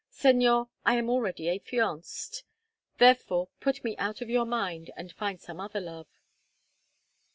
Señor, I am already affianced. Therefore, put me out of your mind and find some other love."